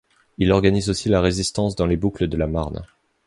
Il organise aussi la résistance dans les boucles de la Marne.